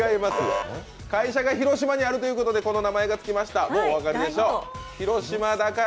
会社が広島にあるということで、この名前がつきました。